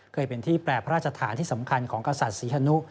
เคยเป็นที่แปรพระราชฐานที่สำคัญของกษัตริย์ศรีฮนุ